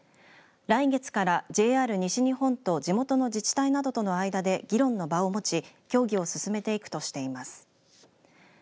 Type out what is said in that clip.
来月から、ＪＲ西日本と地元の自治体などとの間で議論の場を持ち協議を進めていくとしています。